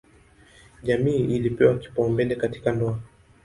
Jamii ilipewa kipaumbele katika ndoa.